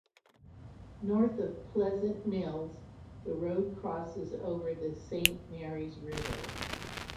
North of Pleasant Mills, the road crosses over the Saint Marys River.